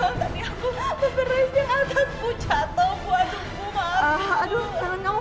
aduh sebentar ya saya cari bantuan ya